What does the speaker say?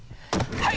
はい！